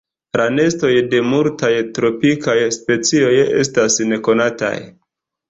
La nestoj de multaj tropikaj specioj estas nekonataj.